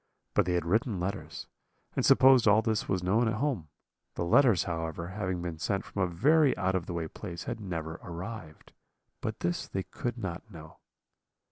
But they had written letters, and supposed all this was known at home. The letters, however, having been sent from a very out of the way place, had never arrived, but this they could not know.